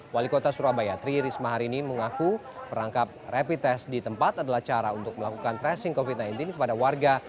wali kota surabaya tri risma hari ini mengaku perangkap rapid test di tempat adalah cara untuk melakukan tracing covid sembilan belas kepada warga